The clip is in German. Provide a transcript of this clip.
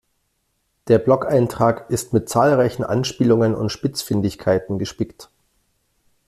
Der Blogeintrag ist mit zahlreichen Anspielungen und Spitzfindigkeiten gespickt.